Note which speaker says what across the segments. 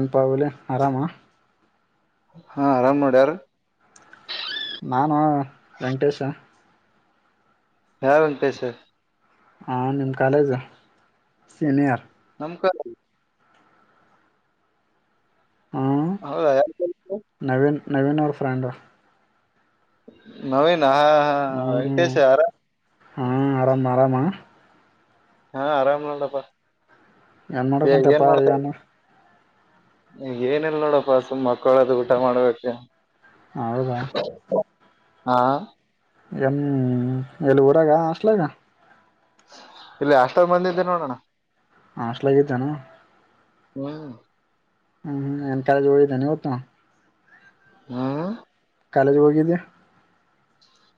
Speaker 1: ನ್ ಪಾವಲಿ ಆರಾಮಾ
Speaker 2: ಹಾ ಆರಾಮ್ ನೋಡ್ ಯಾರು
Speaker 1: ನಾನು ವೆಂಕಟೇಶ
Speaker 2: ಯಾ ವೆಂಕಟೇಶ
Speaker 1: ಹಾ ನಿಮ್ ಕಾಲೇಜು ಸೀನಿಯರ್.
Speaker 2: [inaudible] ಹೌದಾ ಯ
Speaker 1: ನವೀನ ಅವ್ರ ಫ್ರೆಂಡು
Speaker 2: ನವೀನಾ ಹಾ ಹಾ
Speaker 1: ಹ್ಮ್
Speaker 2: ವೆಂಕೇಶ್ ಆರಾಮ
Speaker 1: ಹಾ ಆರಾಮ ಆರಾಮ
Speaker 2: ಹಾ ಆರಾಮ್ ನೊಡ್ಡಪ್ಪ
Speaker 1: ಎನ್ನೋಡಕ ಹೋಂಟ್ಯಪ ಎನ್ನ
Speaker 2: ಏನಿಲ್ಲ ನೋಡಪ್ಪ ಸುಮ್ಮ್ ಮಕ್ಕಳದು ಊಟ ಮಾಡಬೇಕ
Speaker 1: ಹೌದಾ
Speaker 2: ಹಾ
Speaker 1: ಎನ್ ಎಲ್ಲ ಊರಾಗ ಹಾಸ್ಟಲಾಗ
Speaker 2: ಇಲ್ಲಿ ಅಷ್ಟಲ್ ಮಂದಿ ಇದ್ದಿವ್ ನೋಡನ್ನ
Speaker 1: ಹಾಸ್ಟಲಾಗ ಇದೀ ಏನ್
Speaker 2: ಹ್ಮ್ [inaudible]
Speaker 1: ಹ್ಮ್ ಹ್ಮ್ ಕಾಲೇಜ್ ಹೋಗಿದ್ದೆ ಇವತ್ತು [inaudible]
Speaker 2: ಹ್ಮ್
Speaker 1: ಕಾಲೇಜಿಗೆ ಹೋಗಿದ್ದ್ಯಾ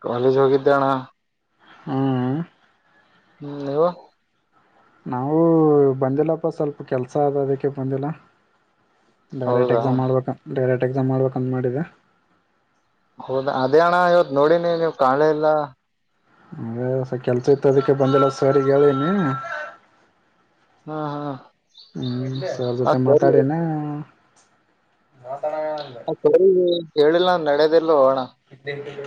Speaker 2: ಕಾಲೇಜ್ ಹೋಗಿದ್ಯಣಾ
Speaker 1: ಹ್ಮ
Speaker 2: ಹ್ಮ ನೀವು
Speaker 1: ನಾವು ಬಂದಿಲ್ಲಪ್ಪ ಸ್ವಲ್ಪ ಕೆಲ್ಸ ಆದ ಅದಕ್ಕೆ ಬಂದಿಲ್ಲಾ. ಡೈರೆಕ್ಟ್
Speaker 2: ಹೌದಾ
Speaker 1: ಎಕ್ಸಾಮ್ ಮಾಡ್ಬೇಕ ಡೈರೆಕ್ಟ್ ಎಕ್ಸಾಮ್ ಮಾಡ್ಬೇಕಂದ ಮಾಡಿದ್ಯ ಎನ್
Speaker 2: ಹೌದಾ ಅದೇ ಅಣ್ಣಾ ಇವತ್ ನೋಡಿನಿ ನೀವು ಕಾನ್ಲೇ ಇಲ್ಲಾ
Speaker 1: ಹಸ ಕೆಲ್ಸ ಇತ್ತ ಅದಕ್ಕೆ ಬಂದಿಲ್ಲ ಸರಿಗಿ ಹೇಳಿನೀ
Speaker 2: ಹಾ ಹಾ
Speaker 1: ಹ್ಮ್ ಸರ
Speaker 2: ಆ
Speaker 1: ಜೊತೆ
Speaker 2: ಸರಿ
Speaker 1: ಮಾತಾಡೇನಾ.
Speaker 2: ಹ ಸರಿಗಿ ಕೇಳಿಲ್ಲ ಅಂದ್ರ ನಡ್ಯದಿಲ್ಲೊ ಅಣ್ಣಾ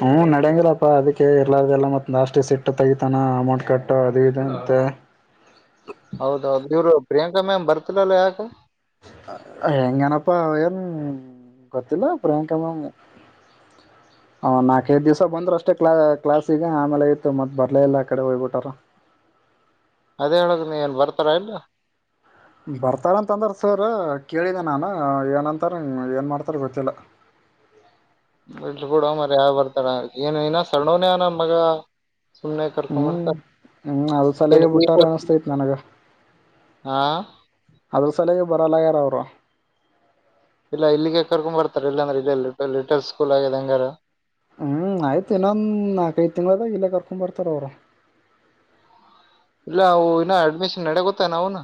Speaker 1: ಹ್ಮ್ ನಡ್ಯಂಗಿಲಪ್ಪಾ ಅದಕ್ಕೆ ಎಲ್ಲಾರ್ದಲ್ಲ ಮ ಲಾಸ್ಟಿಗೆ ಸಿಟ್ಟ ತಗಿತಾನ ಅಮೌಂಟ್ ಕಟ್ಟು ಅದು ಇದ ಅಂತ. ಹ್ಮ್
Speaker 2: ಹೌದೌದು ಇವರು ಪ್ರಿಯಾಂಕಾ ಮ್ಯಾಮ್ ಬರ್ತಿಲಲ್ಲ ಯಾಕೆ.
Speaker 1: ಹೆಂಗನಪ್ಪ ಅವರ ಎನ ಗೋತ್ತಿಲ್ಲಾ ಪ್ರಿಯಾಂಕಾ ಮ್ಯಾಮ್
Speaker 2: [inaudible]
Speaker 1: ಅವ್ ನಾಕೈದ ದಿವ್ಸ ಬಂದರ ಅಷ್ಟೇ ಕ್ಲಾ ಕ್ಲಾಸಿಗೆ ಆಮೇಲೆ ಇತ್ತ ಮತ್ತ ಬರ್ಲೇ ಇಲ್ಲ ಆ ಕಡೆ ಹೋಗ್ಬಿಟಾರ.
Speaker 2: ಅದೇ ಹೇಳದ ನೀ ಏನ್ ಬರ್ತಾರಾ ಇಲ್ಲ.
Speaker 1: ಬರ್ತಾರಂತ ಅಂದಾರ ಸರ್ ಕೇಳಿದೆ ನಾನ ಏನಂತಾರ ಏನ್ ಮಾಡ್ತಾರ ಗೊತ್ತಿಲ್ಲ.
Speaker 2: ಬಿಟ್ಟುಬಿಡೋಣ ಮಾರಾಯ ಯಾವ ಬರ್ತಾರ ಏನು ಇನ್ನ ಸಣ್ಣವನೆ ಆನನ್ನ ಮಗಾ
Speaker 1: ಹ್ಮ್ ಹ್ಮ್ ಅದ್ರ ಸಲಗೆ ಬಿಟ್ಟಾರ
Speaker 2: [unintelligible]
Speaker 1: ಅನಸ್ತೈತ್ ನನಗ
Speaker 2: ಹಾ
Speaker 1: ಅದ್ರ ಸಲಗೆ ಬರಲ್ಲಾ ಅವರು
Speaker 2: ಇಲ್ಲ ಇಲ್ಲಿಗೆ ಕರ್ಕೊಂಡ್ ಬರ್ತಾರ ಇಲ್ಲಾಂದ್ರೆ ಇಲ್ಲೆ ಲಿಟಲ್ ಸ್ಕೂಲ್ ಆಗಿದೆ ಹಂಗಾರ,
Speaker 1: ಹ್ಮಆಯ್ತು ಇನ್ನೊಂದ್ ನಾಕೈದು ತಿಂಗಳ ಆದ್ಮೇಲೆ ಇಲ್ಲೆ ಕರ್ಕೊಂಡ್ ಬರ್ತಾರ. ಅವರು,
Speaker 2: ಇಲ್ಲ ಅವು ಇನ್ನ ಅಡ್ಮಿಷನ್ ನಡ್ಯಕೂತವ್ ಅವುನು.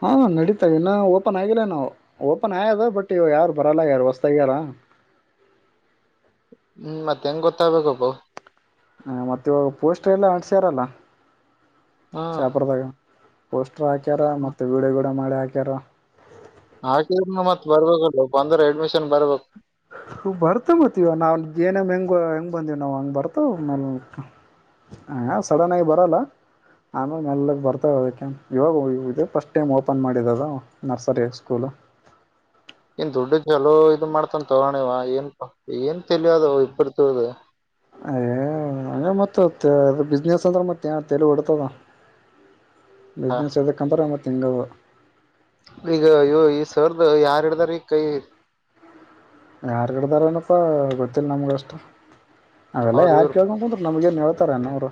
Speaker 1: ಹಾ ನಡೀತವ ಇನ್ನ ಓಪನ್ ಆಗಿಲ್ಲ ಏನ್ ಅವ್ ಓಪನ್ ಆಯ್ಯದ ಬಟ್ ಇವ್ಗ ಯಾರು ಬರಲ್ಲ ಯಾರು ಹೊಸ್ತಾಗ್ಯಾರ.
Speaker 2: [inaudible] ಮತ್ತ ಹೆಂಗ್ ಗೊತ್ತಾಗಬೇಕ್ಕಪ್ಪ.
Speaker 1: ಹ ಮತ್ತೆ ಇವಾಗ ಪೋಸ್ಟರ್ ಎಲ್ಲ ಅಂಟಸ್ಯಾರಲ್ಲ
Speaker 2: ಹ್ಮ್
Speaker 1: ಶಾಪುರದಾಗ. ಪೋಸ್ಟರ್ ಹಾಕ್ಯಾರ ಮತ್ತೆ, ವೀಡಿಯೋ ಗಿಡಿಯೋ ಮಾಡಿ ಹಾಕ್ಯಾರ,
Speaker 2: ಹಾಕಿದ್ರನು ಮತ್ ಬರ್ಬೇಕಲ್ ಬಂದ್ರ ಅಡ್ಮಿಷನ್ ಬರ್ಬೇಕ,
Speaker 1: ಬರ್ತಾವ ಮತ್ತ ಇವ ನಾವು ಏನ ಹೆಂಗ ಹೆಂಗ್ ಬಂದೀ ನಾವು ಹಂಗ ಬರ್ತವ ಅವು. ಹ.. ಸಡನ್ ಆಗಿ ಬರಲ್ಲ. ಆಮೇಲೆ ಮೆಲ್ಲಗ್ ಬರ್ತಾವ ಅದಕ್ಕೆನ ಇವಾಗ ಇದೇ ಫಸ್ಟ್ ಟೈಮ್ ಓಪನ್ ಮಾಡಿದ್ದ ನರ್ಸರಿ ಸ್ಕೂಲ್.
Speaker 2: [inaudible] ಏನ್ ದುಡ್ಡು ಚಲೋ ಇದ ಮಾಡ್ತನ್ ತೊಗೋ ಅಣ್ಣ ಇವ್ ಏನ್ ಏನ್ ತೆಲಿ ಆದೋ ಇಬ್ಬರುದು.
Speaker 1: [unintelligible] ಹಂಗೆ ಮತ್ತ ಬಿಸ್ನೆಸ್ ಅಂದ್ರೆ ಮತ್ತೆ ತೇಲಿ ಹೊಡಿತದ.
Speaker 2: ಹಾ.
Speaker 1: ಬಿಸ್ನೆಸ್ ಎದ್ದಕ್ ಅಂತರ್ ಮತ್ತೆ ಹಿಂಗದ.
Speaker 2: ಈಗ ಇ ಈ ಸರ್ದ ಯಾರ್ ಹಿಡ್ದಾರ ಈ ಕೈ,
Speaker 1: ಯಾರ್ ಹಿಡ್ದಾರ ಏನಪ್ಪಾ ಗೊತ್ತಿಲ್ಲ ನಮ್ಗ ಅಷ್ಟ, ಅವೆಲ್ಲಾ
Speaker 2: ಅವ್ರ
Speaker 1: ಯಾರ್
Speaker 2: ಇವ್ರ
Speaker 1: ಕೇಳ್ಕ ಕುಂದ್ರಲ್ಲಿ ನಮ್ಗಏನ್ ಹೇಳ್ತಾರ ಅವ್ರು.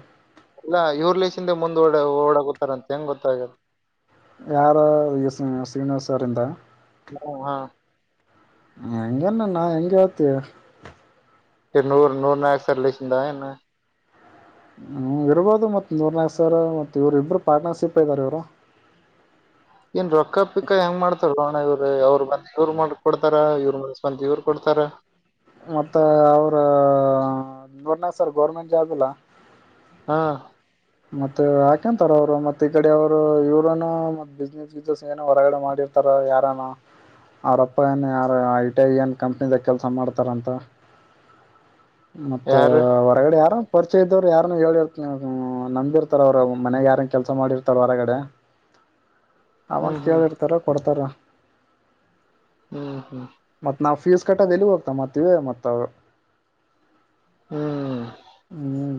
Speaker 2: ಎಲ್ಲಾ ಇವ್ರ ಲೇಸಿಂದೆ ಮುಂದ್ ಓಡ ಓಡಾಗೂ ತಾರಂತ ಹೆಂಗ್ ಗೊತ್ತಾಅಗ್ಯಾದ.
Speaker 1: ಯಾರ ಈ ಶ್ರೀನಿವಾಸರಿಂದ.
Speaker 2: ಹಾ
Speaker 1: ಹೆಂಗನ ನಾ ಹೆಂಗ ಹೇಳ್ತೀ.
Speaker 2: ನೂರು ನೂರು ನಕ್ ಸರ್ ಲಿಸಿಂದ ಏನ್.
Speaker 1: ಹ್ಮ್ ಇರ್ಬೋದು ಮತ್ತ ನೂರ್ ನಾಲ್ಕು ಸಾವಿರ ಮತ್ತ ಇವರು ಇಬ್ರು ಪಾರ್ಟ್ನರ್ಶಿಪ್ ಅದಾರ ಇವರು.
Speaker 2: [inaudible] ಏನ್ ರೊಕ್ಕ ಪಿಕ್ಕಾ ಹೆಂಗ್ ಮಾಡ್ತಾರೋಣ ಇವ್ರು ಅವ್ ಬಂದ ಇವ್ರು ಮಾಡ್ಕ ಕೊಡ್ತರ್ ಇವ್ ಮ ಬ್ ಇವ್ರು ಕೊಡ್ತಾರ. ತರ,
Speaker 1: ಮತ್ತ ಅವ್ರ ನೂರ್ನ ಸರ್ ಗೌರ್ಮೆಂಟ್ ಜಾಬ್ ಇಲ್.
Speaker 2: ಹಾ,
Speaker 1: ಮತ್ತ ಯಾಕೆಂತಾರ ಅವ್ರು ಮತ್ತ ಈ ಕಡಿ ಅವರು ಇವ್ರನ ಮತ್ ಬಿಸ್ನೆಸ್ ಗಿಸ್ನೆಸ್ ಏನೋ ಹೊರಗಡೆ ಮಾಡಿರ್ತಾರ. ಏ ಯಾರನ್. ಅವರಪ್ಪ ಏನ್ ಯಾರ ಐ ಟಿ ಗ ಏನ್ ಕಂಪ್ನಿದಾಗ ಕೆಲ್ಸ ಮಾಡ್ತಾರಂತ.
Speaker 2: [inaudible]
Speaker 1: ಮತ್ತ
Speaker 2: ಯಾರು
Speaker 1: ಹೊರಗಡೆ ಯಾರು ಪರಿಚಯ ಇದ್ದವರು ಯಾರ ಹೇಳಿರ್ತನ್ನ. ನಂಬಿರ್ತಾರ ಅವರು ಮನೆಗ್ ಯಾರಂನ್ ಕೆಲ್ಸ ಮಾಡಿರ್ತಾರ ಹೊರಗಡೆ.
Speaker 2: ಹ್ಮ್
Speaker 1: ಅಮೊಂಟ್
Speaker 2: ಹ್ಮ್
Speaker 1: ಕೇಳಿರ್ತಾರ ಕೊಡ್ತಾರ.
Speaker 2: ಹ್ಮ್, ಹ್ಮ್
Speaker 1: ಮತ್ ನಾವ್ ಫೀಸ್ ಕಟ್ಟೋದ ಎಲ್ಲಿಗಿ ಹೋಗ್ತವ್ ಮತ್ತ ಇವೆ ಮತ್ತ ಅವ.
Speaker 2: ಹ್ಮ್.
Speaker 1: ಹ್ಮ್.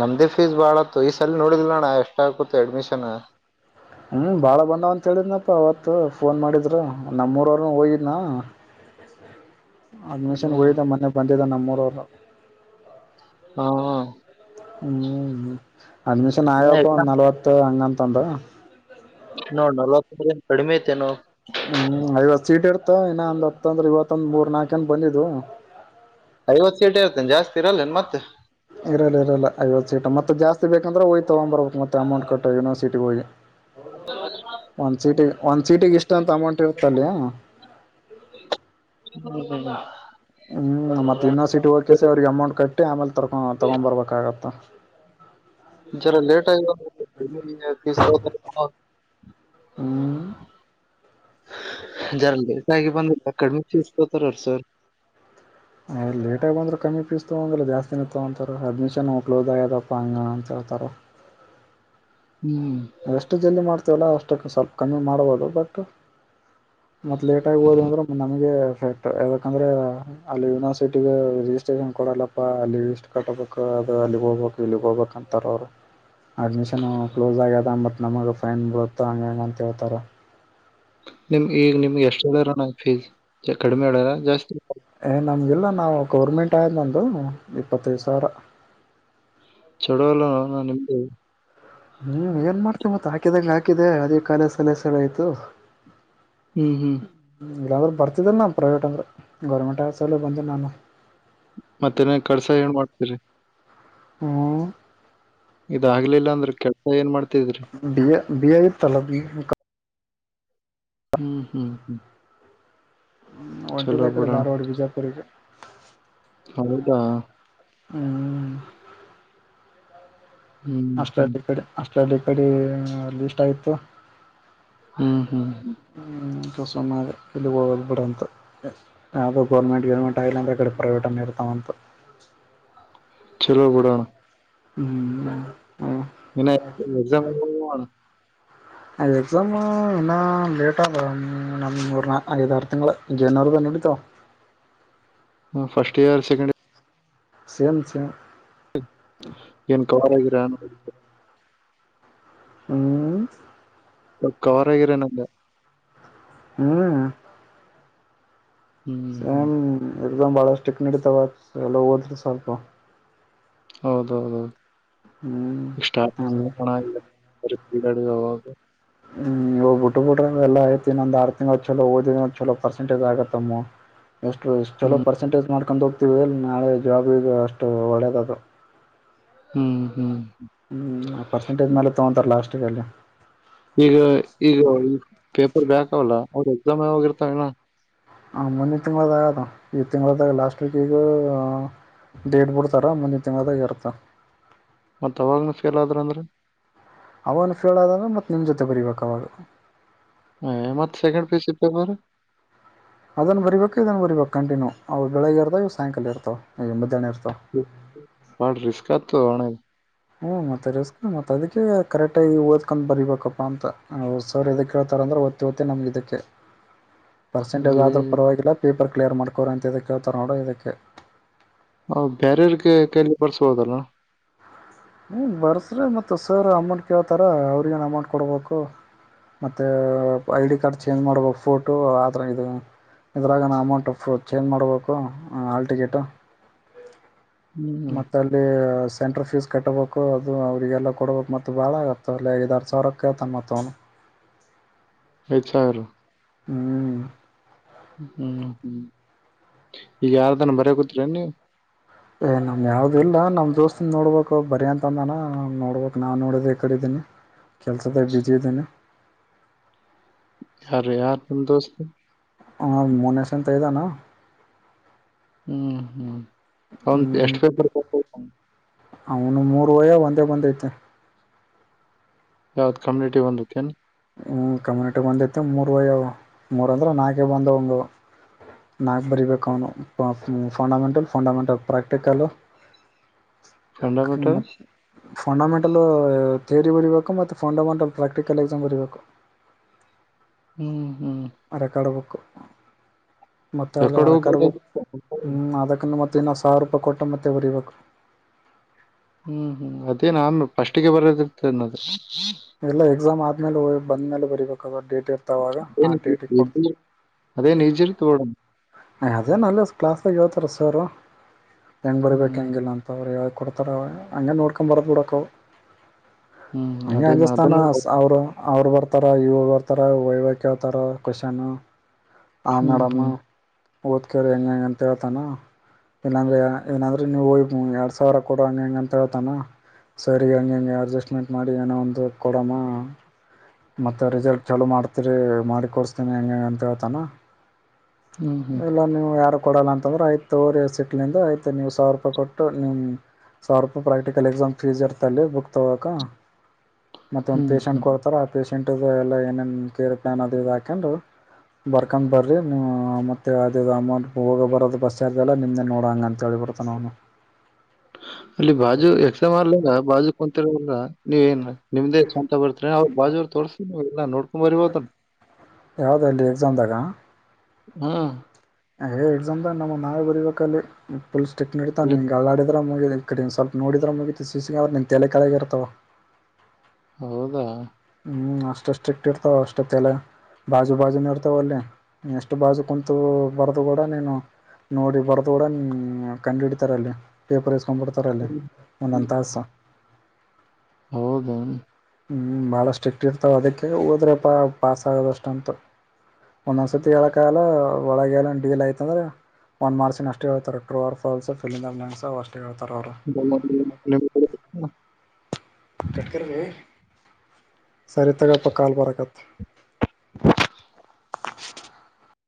Speaker 2: ನಮ್ದೇ ಫೀಸ್ ಬಾಳತ್ತ ಈ ಸಲ ನೋಡಿದಿಲ್ಲಣ್ಣ ಎಷ್ಟ ಆಕುತ್ತದ ಅಡ್ಮಿಷನ್.
Speaker 1: ಹ್ಞೂ ಭಾಳ ಬಂದಾವ ಅಂತ ಹೇಳೇಳಿದ್ನಪ್ಪ. ಅವತ್ತು ಫೋನ್ ಮಾಡಿದಿದರು ನಮ್ಮೂರವರು ಹೋಗಿದ್ನ.
Speaker 2: [inaudible]
Speaker 1: ಅಡ್ಮಿಷನ್
Speaker 2: ಹ್ಮ್
Speaker 1: ಹೊಗಿಯ್ದ ಮೊನ್ನೆ ಬಂದಿದ್ದ ನಮ್ಮೂರವರು,
Speaker 2: ಹ್ಮ.
Speaker 1: ಹ್ಮ್ ಅಡ್ಮಿಷನ್ ಆಗ್ಯಾಪ್ಪ ಒಂದ್ ನಲ್ವತ್ತು ಅಂಗ ಅಂತ ಅಂದ್.
Speaker 2: ನೋಡ್ ನಲ್ವತ್ತ ಅಂದ್ರ್ ಕಡಿಮೆ ಆಯಿತ್ ನೋ
Speaker 1: ಹ್ಮ್ ಐವತ್ ಸೀಟ್ ಇರ್ತವ್. ಇನ್ನ ಒಂದ್ ಹತ್ತಂದ್ರ ಇವತ್ತೊಂದ ಮೂರ್ ನಾಕ ಜನ ಬಂದಿದವು.
Speaker 2: ಐವತ್ತು ಸೀಟ ಇರ್ತ್ತದ ಜಾಸ್ತಿ, ಇರಲ್ಲೇನ್ ಮತ್ತೆ
Speaker 1: ಇರಲ್ಲ ಇರಲ್ಲ ಐವತ್ತು ಸೀಟ ಮತ್ತೆ ಜಾಸ್ತಿ ಬೇಕಂದ್ರೆ ಹೋಗಿ ತಗೊಂಬಬಬೇಕ ಮತ್ತ ಅಮೌಂಟ್ಟ್ಟ ಯೂನಿವರ್ಸಟಿಗೆ ಹೋಗಿ ಒಂದ್
Speaker 2: ಹ
Speaker 1: ಸೀಟಿಗೆ ಒಂದ್ ಸೀಟಿಗೆ ಇಷ್ಟ ಅಂತ ಅಮೌಂಟ್ ಇರುತ್ತಲ್ಲಿಯ
Speaker 2: ಾ
Speaker 1: ಹ್ಮ್ ಮತ್ತ ಇನ್ನೊ ಸಿಟಿ ಹೋಗಕೆಸ ಅವ್ರಿಗೆ ಅಮೌಂಟ್ ಕಟ್ಟಿ ಆಮೇಲೆ ತರ್ಕೊ ತಗೊಂಡ್ ಬರ್ಬೇಕಾಗತ್ತ
Speaker 2: ಜರ ಲೇಟ ಆ
Speaker 1: ಹ್ಮ್
Speaker 2: ಜರ ಕಾಯಿ ಬಂದ ಕಡಿಮೆಫೀಸ್ಕೋತಾರ ಸರ್
Speaker 1: ಲೇಟಾಗಿ ಬಂದ್ರೆ ಕಮ್ಮಿ ಪೀ ಇತ್ತು ಅಂದ್ರೆ ಜಾಸ್ತಿ ನಿತ್ತು ಅಂತಾರೆ ಅಡ್ಮಿಷನ್ ಕ್ಲೋಸ್ ಆಗ್ಯದಪ್ಪ ಹಂಗಗೆ ಅಂತ ಹೇಳ್ತಾರೆ
Speaker 2: ಹ್ಮ್
Speaker 1: ನಾವ ಎಷ್ಟು ಜಲ್ದಿ ಮಾಡ್ತೀವಲ್ಲ ಅಷ್ಟಕ್ಕೆ ಸ್ವಲ್ಪ ಕಮ್ಮಿ ಮಾಡ್ಬೋದು ಬಟ್ ಮತ್ ಲೇಟ್ ಆಗ್ಬೋದು ಅಂದ್ರೆ ನಮಗೆ ಟ್ ಯಾಕಂದ್ರೆ ಅಲ್ಲಿ ಯೂನಿವರ್ಸಿಟಿ ರಿಜಿಸ್ಟ್ರೇಷನ್ ಕೊಡಲ್ಲಪ್ಪ ಅಲ್ಲಿ ಲ್ ಕಟ್ಟಬೇಕ ಅ ಅಲ್ಲಿಗ್ ಹೋಗ್ಬೇಕು ಇಲ್ಲಿಗೆ ಹೋಗ್ಬೇಕ ಅಂತಾರ ಅವ್ರು ಅಡ್ಮಿಷನ್ ಕ್ಲೋಸ್ ಆಗ್ಯದ ಬಟ್ ನಮಗೆ ಫೈನ್ ಬರುತ್ತ ಹಂಗ ಅಂತೇಳ್ತಾರೆ
Speaker 2: ನಿಮ್ ಈಗ ನಿಮ್ಗೆ ಎಷ್ಟು ಹೇಳಾರ ನ ಫೀಸ್ ಕಡಿಮೆ ಹೇಳಾರ ಜಾಸ್ತಿ
Speaker 1: ನಮ್ಗೆಲ್ಲ ನಾವು ಗೌರ್ಮೆಂಟ್ ಆದಯ ಬಂದು ಇಪ್ಪತ್ತೈದು ಸಾವಿರ
Speaker 2: ಚಡ ಎಲ್ಲ ನಿಮ್ದ
Speaker 1: ಹ್ಮ್ ಏನ್ ಮಾಡ್ತವಿ ಮತ್ತ ಹಾಕಿದಂಗ ಹಾಕಿದೆ ಅದೇ ಕಾಲ ಸಲ ಸಳ ಆಯ್ತು ಹ್ಮ
Speaker 2: ಹ್ಮ್ ಹ್ಮ್
Speaker 1: ಇಲ್ಲಾಂದರು ಬರ್ತಿದ್ದಲ್ಲ ನಾನು ಪ್ರೈವೇಟ್ ಅಂದ್ರೆ ಗೌರ್ಮೆಂಟ್ ಆಸಲ ಬಂದೆ ನಾನು
Speaker 2: ಮತ್ತೆನ ಕಳ್ಸಾ ಏನ್ ಮಾಡ್ತೀರಿ
Speaker 1: ಹ್ಮ್
Speaker 2: ಇದಗ್ಲಿಲ್ಲ ಅಂದ್ರೆ ಕೆಲ್ಸ ಏನ್ ಮಾಡ್ತ
Speaker 1: ಬಿ ಎ ಬಿ ಎ ಇತ್ತಲ್ಲ ಬಿ
Speaker 2: ಹ್ಮ್ ಹ್ಮ್ ಹ್ಮ್
Speaker 1: ಹ್ಮ್ ಒಂಟಿದ
Speaker 2: ಚಲೋ
Speaker 1: ಆ ಕಡೆ
Speaker 2: ಬಿಡೋಣ
Speaker 1: ಧಾರವಾಡ ಬಿಜಾಪುರ್ರಿಗೆ
Speaker 2: ಹೌದಾ
Speaker 1: ಹ್ಮ್
Speaker 2: ಹ್ಮ್ ಹ್ಮ್
Speaker 1: ಆಸ್ಟ್ರೇಲಿಯಾ ಕಡೆ ಅಸ್ಟ್ರೇಲಿಯಾ ಕಡೆ ಲಷ್ಟ ಆಯ್ತು
Speaker 2: ಹ್ಮ್ ಹ್ಮ್
Speaker 1: ಹ್ಮ ಸನ್ನೆ ಇಲ್ಲಿ ಹೋಗದು ಬಿಡಂತ ಯಾವುದೋ ಗೋರ್ಮೆಂಟ್ ಗೋರ್ಮೆಂಟ್ ಆಗಿಲ್ಲ ಅಂದರೆೆ ಕಡೆ ಪ್ರೈವೇಟನ್ನು ಇರ್ತಾವಂತು
Speaker 2: ಚಲ ಬಡಾನ
Speaker 1: ಹ್ಮ್ ಹ್ಮ್
Speaker 2: ಇ ಎ [unintelligible]
Speaker 1: ಅದಪ [unintelligible] ಇನ್ನ ಲೇಟ್ ನಂದ್ ಮೂರ್ ನ ಐದಾರರು ತಿಂಗಳ ಜಏನಾರ್ದ ನೋಡಿತು
Speaker 2: ಹ್ಮ ಫರ್ಸ್ಟ್ ಇಯರ್ ಸೆಕೆಂಡ್ ಇರ್
Speaker 1: ಸಮ ಚೆ
Speaker 2: ಕವಲಾಗರನ್
Speaker 1: ಹ್ಮ್
Speaker 2: ಕವರ್ ಆಗಿರ ನಗೆ
Speaker 1: ಹ್ಮ್
Speaker 2: ಹ್ಮ್ ಹ್ಮ್
Speaker 1: ಸೇಮ್ ಎ್ ಬಹಳ ಸ್ಟಿಕ್ ನಡತಾವ ಎಲ್ಲ ಹೋದ್ರ ಸ್ವಲ್ಪ
Speaker 2: ಹೌದೌದೌ
Speaker 1: ಹ್ಮ್
Speaker 2: ಇಷ್ಟ
Speaker 1: ಹ್ಮ್
Speaker 2: ಈಡಡು
Speaker 1: ಹ್ಮ್ ಇ ಬಿಟ್ಟುಬಟ ಎಲ್ಲ ಆಯ್ತು ಇನೊದ್ ಆರು ತಿಂಗಳು ಚಲೋ ಓದಿದ ಚಲೋ ಪರ್ಸೆಟೇಜ್ ಆಗತ್ತಮ್ಮ ಎಷ್ಟುಷ್ಟ ಚಲೋ
Speaker 2: ಹ್ಮ್
Speaker 1: ಪರ್ಸೆಟೇಜ್ ಮಾಡ್ ಕಕೊಂಡ ಹೋಗ್ತೀವಿ ನಾಳೆ ಜಾಬ್ ಇದು ಅಷ್ಟು ಒಳ್ಳೇದದು
Speaker 2: ಹ್ಮ್ ಹ್ಮ್
Speaker 1: ಹ್ಮ್ ಆ ಪರ್ಸೆಂಟೇಜ್ ಮೇಲೆ ತಗೊಂತಾರ ಲಾಸ್ಟ್ಗೆ ಅಲ್ಲಿ
Speaker 2: ಈಗ ಈಗ ಪೇಪರ್ ಬ್ಯಾಕ್ವಲ್ಲ ಅವ್ರ ಎಕ್ಸಾಮ್ ಯಾವೋಗಿರ್ತಾವನ
Speaker 1: ಹ ಮನ್ನ ತಿುಂಗಾಗದ ಈ ತಿಂಗ್ಳದಾಗ ಲಾಸ್ಟ್ ವೀಕ್ ಗ [unintelligible] ಬಿಡ್ತಾರ ಮುಂದಿನ ತಿಂಗ್ಳದಾಗ್ ಇರುತ.
Speaker 2: ಮತ್ ಅವಾಗ್ನು ಫೇಲ್ ಆದ್ರೂ ಅಂದ್ರೆ.
Speaker 1: ಅವಗ್ನು ಫೇಲ್ ಅದಾಗ ಮತ್ ನಿಮ್ ಜೊತೆ ಬರಿಬೇಕ್ ಅವಾಗ.
Speaker 2: ಎ ಮತ್ second P U C paper.
Speaker 1: ಅದನ್ ಬರಿಬೇಕು ಇದನ್ ಬರಿಬೇಕು ಕಂಟಿನ್ಯೂ ಅವು ಬೆಳಗ್ ಇರ್ತಾವ ಇ ಸಾಯಂಕಾಲ ಇರ್ತಾವ ಎ ಮದ್ಯಾಹ್ನ ಇರ್ತ-
Speaker 2: ಬಾಳ್ ರಿಸ್ಕ ಆತೊ ಅಣಯ್
Speaker 1: ಹ್ಮ್ ಮತ್ತೆ ರಿಸ್ಕ್ ಮತ್ತೆ. ಅದಿಕ್ಕೆ ಕರೆಕ್ಟಾಗಿ ಓದ್ಕೊ ಬರಿಬೇಕಪ್ಪಾ ಅಂತ ಸರ್ ಎದಕ್ ಹೆಳ್ತಾರ್ ಅಂದ್ರ ಹೊತ್ತಿ ಹೊತ್ತಿ ನಿಮ್ಗ್ ಇದುಕ್ಕೆ
Speaker 2: [inaudible]
Speaker 1: ಪರ್ಸೆಂಟೇಜ್
Speaker 2: ಇದು.
Speaker 1: ಆದ್ರೂ ಪರವಾಗಿಲ್ಲ ಪೇಪರ್ ಕ್ಲಿಯರ್ ಮಾಡ್ಕೋರ್ ಅಂತ ಎದುಕ್ ಹೆಳ್ತಾರ್ ನೋಡು ಇದುಕ್ಕೆ.
Speaker 2: ನಾವ್ ಬೇರವರ್ಗೆ ಕೈಲಿ ಬರ್ಸಬೋದಲ್ಲ.
Speaker 1: ಹ್ಮ ಬರ್ಸ್ರಿ ಮತ್ತ್ ಸರ್ ಅಮೌಂಟ್ ಕೇಳ್ತಾರ ಅವ್ರಗ್ ಏನ್ ಅಮೌಂಟ್ ಕೊಡ್ಬೇಕು. ಮತ್ತೆ ಐ ಡಿ ಕಾರ್ಡ್ ಚೇಂಜ್ ಮಾಡುವಾಗ್ ಫೋಟೋ ಆದ್ರ ಇದು. ಇದ್ರಾಗ ನಾ ಅಮೌಂಟ್ ಚೇಂಜ್ ಮಾಡಬೇಕು ಹಾಲ್ ಟಿಕೆಟು.
Speaker 2: ಹ್ಮ್
Speaker 1: ಮತ್ತ ಅಲ್ಲಿ ಸೆಂಟ್ರ ಫೀಸ್. ಕೆಟ್ಬೇಕು ಅದು ಅವರಿಗೆಲ್ಲ ಕೊಡಬೇಕ್ ಮತ್ತು ಬಾಳ ಇರ್ತವಲ್ಲ ಐದಾರ್ ಸಾವಿರಕ್ಕೆ ತನ್ನ ಮತ್ -
Speaker 2: [inaudible] ಸಾವಿರ
Speaker 1: ಹ್ಮ್
Speaker 2: ಹ್ಮ್ ಹ್ಮ್ ಈಗ ಯಾರ್ದನ [unintelligible] ನೀ
Speaker 1: ಏ ನಮ್ ಯಾವ್ದ ಇಲ್ಲ ನಮ್ ದೋಸ್ತ್ - ತ್ ನೋಡ್ಬೇಕು ಬರೀ ಅಂತಂದಾನ ನೋಡ್ಬೇಕು ನಾನು ನೋಡಿದ ಈ ಕಡೆದ್ದೀನಿ. ಕೆಲ್ಸುದಲ್ ಬಿಸಿ ಇದಿನಿ.
Speaker 2: ಯಾರು ಯಾರು ನಿಮಾ ದೋಸ್ತ್
Speaker 1: ಹ ಮನೇಶ್ ಅಂತ ಇದಾನ.
Speaker 2: ಹ್ಮ ಹ್ಮ
Speaker 1: ಹ್ಮ್ ಅವನು ಮೂರ್ ಹೋಗವೆ ಒಂದೇ ಬಂದೈತೆ.
Speaker 2: ಯಾವ್ದ್ ಕಮ್ಯುನಿಟಿ ಒಂದ್ [unintelligible]
Speaker 1: ಹ್ಮ ಕಮ್ಯುನಿಟಿಗೆ ಒಂದ್ ಐತಿ ಮೂರ್ ಹೋಗ್ಯವ ಮೂರಂದ್ರೆ ನಾಲ್ಕು ಬಂದ ಒಂದು ನಾಲ್ಕ್ ಬರಿಬೇಕು ಅವ್ನು ಫಂಡಮೆಂಟಲ್ ಫಂಡಮೆಂಟಲ್ ಪ್ರಾಕ್ಟಿಕಲ್ಲು,
Speaker 2: ಫಂಡಮೆಂಟಲ್
Speaker 1: ಹ್ಮ ಫಂಡಮೆಂಟಲು. ಥಿಯೋರಿ ಬರೀಬೇಕು ಮತ್ತು ಫಂಡಮೆಂಟಲ್ ಪ್ರಾಕ್ಟಿಕಲ್ ಎಕ್ಸಾಮ್ ಬರೀಬೇಕು.
Speaker 2: ಹ್ಮ್ ಹ್ಮ್
Speaker 1: [unintelligible] ಬೇಕು ಮತ್ತ ಅಲ್ಲ
Speaker 2: ರೆಕಾರ್ಡ್
Speaker 1: ಅರಕಡ್ಬೇಕು
Speaker 2: ಹೋಗ್ಬೋದು
Speaker 1: ಹ್ಮ್ ಅದಕ್ಕ ಮತ್ ಮತ್ ಇನ್ನ ಸಾವರ್ ರೂಪಾಯಿ ಕೊಟ್ಟ ಮತ್ತೆ ಬರಿಬೇಕು.
Speaker 2: ಹ್ಮ್ ಹ್ಮ್ ಅದೇ ನನ್ ಪಸ್ಟಿಗೆ ಬರೋದಿರ್ತನ್ನೋದ್ರ
Speaker 1: ಎಲ್ಲ ಎಕ್ಸಾಮ್ ಆದ್ಮೇಲೆ ಬಂದ್ಮೇಲೆ ಬರಿಬೇಕಾ ಡೇಟ್ - ಡೇಟ್ ಇತ್ ಅವಾಗ ಅ ಡೇಟಿಗ್ ಪ
Speaker 2: ಏನ್ ಅದೇನ್ ಈಜಿ ಇರ್ತ ಮೇಡಮ್
Speaker 1: ಅದೇ ಅಲ್ಲೆ ಕ್ಲಾಸ್ ಸ ಹೇಳ್ತಾರೆ ಸಾರು ಹೆಂಗ್ ಬರಬೇಕು
Speaker 2: ಹ್ಮ್
Speaker 1: ಹೆಂಗಿಲ್ಲ ಅಂತವ್ರು ಕೊಡ್ತರ ಅವಾಗ ಅಂಗೆ ನೋಡ್ಕ ಬರ್ದ ಬುಡಕ್ಕ -
Speaker 2: ಹ್ಮ್ ಅ
Speaker 1: ಹೆದ್ರುಸ್ತಾನ ಸಾವ್ರ ಅವ್ರ್ ಬರ್ತಾರ ಇವ್ರು ಬರ್ತಾರ ವೈವಾ ಕೇಳ್ತಾರ ಕೊಷೆನ್ನು. ಆ
Speaker 2: ಹ್ಮ್
Speaker 1: ನಾಡಮ್ಮ
Speaker 2: ಹ್ಮ್
Speaker 1: ಓದ್ಕ್ ರಿ ಹೆಂಗ್ ಹೆಂಗಂತ ಹೇಳ್ತಾನ ಇಲ್ಲಂದ್ರೆ ಏನದ್ರು ನೀವ್ ಹೊಗ್ ಎರಡ್ ಸಾವಿರ ಕೊಡು ಹಂಗ ಹಿಂಗ ಅಂತ ಹೇಳ್ತಾನ. ಸರಿ ಹಂಗೆ ಹಿಂಗೆ ಅಡ್ಜಸ್ಟ್ಮೆಂಟ್ ಮಾಡಿ ಏನೋ ಒಂದು ಕೊಡಮ್ಮ. ಮತ್ತೆ ರಿಸಲ್ಟ್ ಚಲೊ ಮಾಡ್ತರಿ ಮಾಡಿ ಕೋರ್ಸ್ತೇನಿ ಹೆಂಗೆ ಹಂಗೆ ಅಂತ ಹೇಳ್ತಾನ.
Speaker 2: ಹ್ಮ್ ಹ್ಮ್
Speaker 1: ಇಲ್ಲ ನೀವು ಯಾರು. ಕೊಡಲ್ಲ ಅಂತಂದ್ರೆ ಆಯ್ತು ತಗೊರಿ ಸಿಟ್ಲಿಂದ ಆಯ್ತು ನೀವು ಸವ್ರ್ ರೂಪಾಯಿ ಕೊಟ್ಟು ನಿಮ್ಮ ಸಾವಿರ್ ರೂಪಾಯ್ ಪ್ರಾಕ್ಟಿಕಲ್ ಎಕ್ಸಾಮ್ ಫೀಸ್ ಇರ್ತಲ್ಲಿ ಬುಕ್ ತಗೋಕ. ಮತ್ತ ಒಂದ್
Speaker 2: ಹ್ಮ್
Speaker 1: ಪೇೇಶಂಟ್
Speaker 2: ಹ್ಮ್
Speaker 1: ಕೊಡ್ತಾರ ಆ ಪೇಷಂಟ್ ಎಲ್ಲ ಏನೇನ್ ಕೇರ್ ಪ್ಲಾನ್ ಅದು ಇ ಹಾಕೊಂಡು ಬರ್ಕ್ಮ್ ಬರ್ರಿ ನೀವ್ ಮತ್. ಮತ್ತೆ ಆದೀದು ಅಮೌಂಟ್ ಹೋಗೋ ಬರೋದು ಬಸ್ ಚಾರ್ಜ ಎಲ್ಲಾ ನಿಮ್ಮ್ದೇ ನೋಡೋಂಗ ಅಂತ ಹೇಳಿಬಿಡ್ತನ ಅಂವನು.
Speaker 2: ಇಲ್ಲಿ ಬಾಜು ಎಕ್ಸ ಮಾಡಲಾಲ ಬಾಜು ಕುಂತಿರೆ ಎಲ್ಲಾ [unintelligible] ನೀವ ಏನ್ ನಿಮ್ದೇ ಸ್ವಂತ ಬರ್ತೀರಿ ಅವ್ ಬಾಜೂರು ತೋರ್ಸಿ ನೀವೆಲ್ಲ ನೋಡ್ಕೊಂಬರಿ [unintelligible]
Speaker 1: ಯಾವ್ದ ಅಲ್ಲಿ ಎಕ್ಸಾಮ ದಾಗ
Speaker 2: ಹಾ
Speaker 1: ಏ ಎಕ್ಸಾಮ್ ದಾಗ ನಮ್ಮದ ನಾವೇ ಬರಿಬೇಕ. ಕಲ್ಲಿ ಪುಲ್ ಸ್ಟಿಕ್ ನಡಿತಾವ ನಿ
Speaker 2: ಅಲ್ಲಿ-
Speaker 1: ಹಿಂಗ್ ಅಲ್ಲಾಡಿದ್ರ ಮುಗಿ [unintelligible] ಈ ಕಡಿನ್ ಸ್ವಲ್ಪ ನೋಡಿದ್ರ ಮುಗಿತ ಸಿಸಿ ಕ್ಯಾಮ್ರಾ ನಿನ್ ತೆಲಿ ಕೆಳಗೆ ಇರ್ತವ.
Speaker 2: ಹೌದಾ
Speaker 1: ಅಷ್ಟು ಸ್ಟ್ರಿಕ್ಟ್ ಇರ್ತಾವ ಅಷ್ಟೊತ್ತೆಲ್ಲ ಬಾಜು ಬಾಜುನೆ ಇರ್ತವ ಅಲ್ಲಿ ಎಷ್ಟ ಎಷ್ಟ ಬಾಜು ಕುಂತು ಬರದು ಕೂಡ ನೀನು ನೋಡಿ ಬರ್ದು ಕೂಡ ನಿ ಕಂಡ ಹಿಡಿತಾರಲ್ಲಿ ಪೇಪರ್ ಇಸ್ಕೊಂಡ್ಬಿಡ್ತಾರಲ್ಲಿ ಒಂದೊಂದು ತಾಸ್.
Speaker 2: ಹೌದ
Speaker 1: ಹ್ಮ್ ಬಾಳ ಸ್ಟೀಟ್ ಇಟ್ಟಿರ್ತಾವ ಅದಕ್ಕೆ ಹೋದ್ರಪ್ಪ ಪಾಸ್ ಆಗೋದಷ್ಟ ಅಂತ ಒಂದೊಂದ್ಸತಿ ಹೇಳಕ್ ಎಲ್ಲಾ ಒಳಗೆ ಎಲ್ಲ ಡಿಲ್ ಆಯಿತ್ ಅಂದ್ರ ಒನ್ ಮಾರ್ಕ್ಸನ್ ಅಷ್ಟೇ ಹೇಳ್ತಾರ ಟ್ರೋ ಆರ್ರ್ಫಫ್ [unintelligible] ಅವಸ್ಟೆ.
Speaker 2: [unintelligible]
Speaker 1: Trekker B. ಸರಿ ತಗಾಪ ಕಾಲ್ ಬರಗತ್.